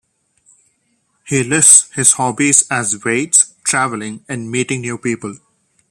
He lists his hobbies as weights, travelling and meeting new people.